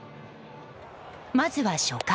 まずは初回。